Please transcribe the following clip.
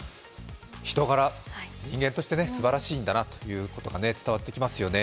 人柄、人間としてすばらしいんだなということが伝わってきますね。